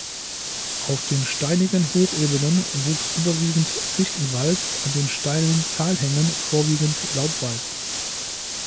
Auf den steinigen Hochebenen wuchs überwiegend Fichtenwald, an den steilen Talhängen vorwiegend Laubwald.